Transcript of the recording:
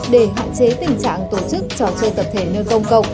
để hạn chế tình trạng tổ chức trò chơi tập thể nơi công cộng